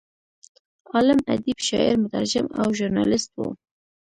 عالم، ادیب، شاعر، مترجم او ژورنالست و.